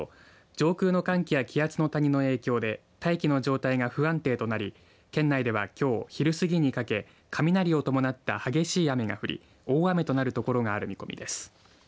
上空の寒気や気圧の谷の影響で大気の状態が不安定となり県内ではきょう昼過ぎにかけ雷を伴った激しい雨が降り大雨となる所がある見込みです。